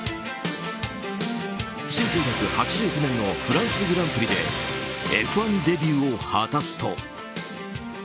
１９８９年のフランスグランプリでＦ１デビューを果たすと。